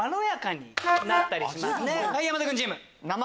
山田君チーム。